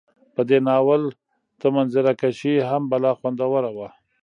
په دې ناول ته منظره کشي هم بلا خوندوره وه